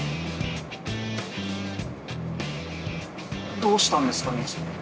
◆どうしたんですかね。